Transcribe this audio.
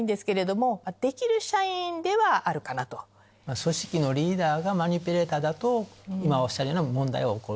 組織のリーダーがマニピュレーターだと今おっしゃるような問題は起こる。